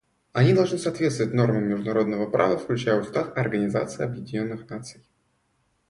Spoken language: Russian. Они должны соответствовать нормам международного права, включая Устав Организации Объединенных Наций.